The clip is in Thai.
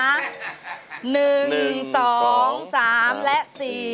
เริ่มนะคะ